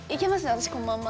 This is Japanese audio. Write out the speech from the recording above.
私このまんま。